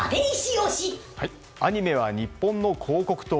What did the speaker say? アニメは日本の広告塔。